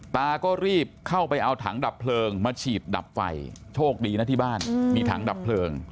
ตาก็รีบเข้าไปเอาถังดับเพลิงมาฉีดดับไฟโชคดีนะที่บ้านมีถังดับเพลิง